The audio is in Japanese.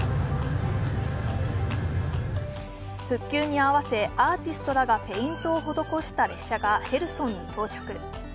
復旧に合わせアーティストらがペイントを施した列車がヘルソンに到着。